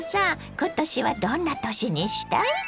今年はどんな年にしたい？